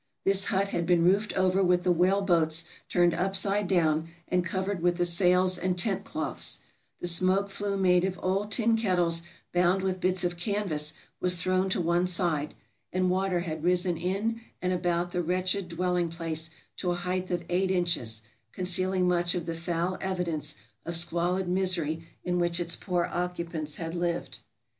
This hut had been roofed over with the whaleboats turned upside down and covered with the sails and tent cloths; the smoke flue made of old tin kettles bound with bits of canvas was thrown to one side, and water had risen in and about the wretched dwelling place to a height of eight inches, concealing much of the foul evidence of squalid misery in which its poor occupants had lived.